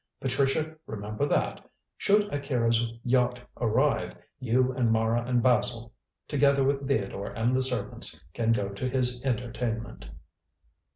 Patricia remember that. Should Akira's yacht arrive, you and Mara and Basil, together with Theodore and the servants, can go to his entertainment."